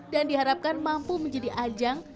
dan diharapkan mampu menjadi ajang